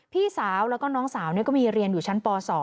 พี่สาวแล้วก็น้องสาวก็มีเรียนอยู่ชั้นป๒